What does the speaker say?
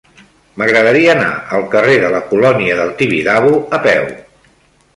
M'agradaria anar al carrer de la Colònia del Tibidabo a peu.